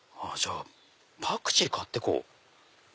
パクチー買ってこう。